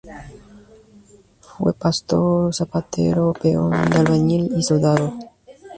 Fue pastor, zapatero, peón de albañil y soldado.